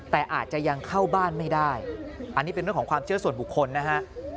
แต่อาจจะยังเข้าบ้านไม่ได้อันนี้เป็นเรื่องของความเชื่อส่วนบุคคลนะฮะ